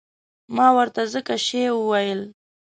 ما ورته ځکه شی وویل.